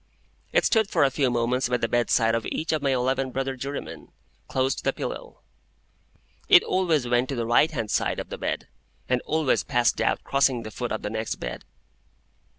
It stood for a few moments by the bedside of each of my eleven brother jurymen, close to the pillow. It always went to the right hand side of the bed, and always passed out crossing the foot of the next bed.